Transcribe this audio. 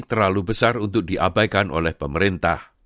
terlalu besar untuk diabaikan oleh pemerintah